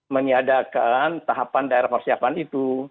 meniadakan tahapan daerah persiapan itu